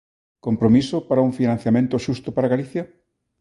¿Compromiso para un financiamento xusto para Galicia?